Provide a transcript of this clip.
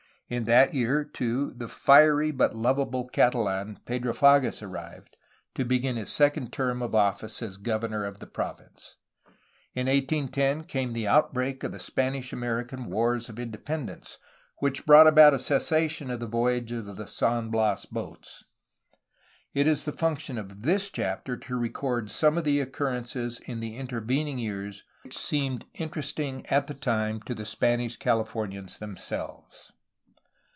In that year, too, the fiery but lovable Catalan, Pedro Pages, arrived, to begin his second term of office as governor of the province. In 1810 came the outbreak 397 1398 A HISTORY OF CALIFORNIA of the Spanish American Wars of Independence, which brought about a cessation of the voyages of the San Bias boats. It is the function of this chapter to record some of the occurrences in the intervening years which seemed inter esting at the time to the Spanish Cahfornians themselves.